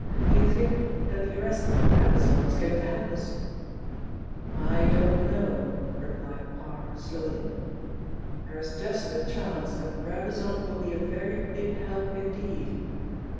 "Do you think that the arrest of Brabazon is going to help us?" "I don't know," replied Parr slowly. "There is just a chance that Brabazon will be a very big help indeed.